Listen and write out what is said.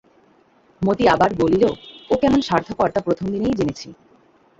মতি আবার বলিল, ও কেমন স্বার্থপর তা প্রথমদিনেই জেনেছি।